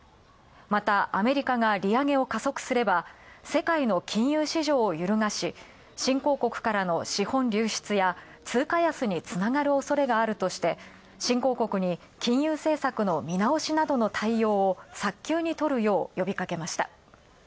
また、アメリカが利上げを加速すれば世界の金融市場を揺るがし、新興国からの資本流出や通過安につながるおそれがあるとして、新興国に金融政策の見直しなどの対応を早急にとるよう、呼びかけました。